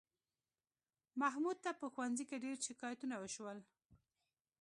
محمود ته په ښوونځي کې ډېر شکایتونه وشول